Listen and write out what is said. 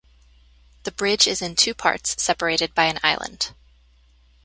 The bridge is in two parts separated by an island.